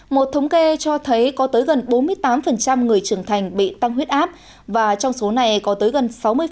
một thống kê cho thấy có tới gần bốn mươi tám người trưởng thành bị tăng huyết áp và trong số này có tới gần sáu mươi